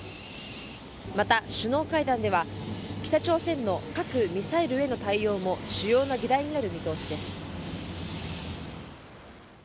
また首脳会談では北朝鮮の核ミサイルへの対応も主要な議題になる見通しです。